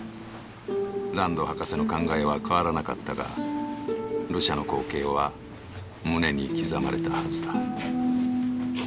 ランド博士の考えは変わらなかったがルシャの光景は胸に刻まれたはずだ。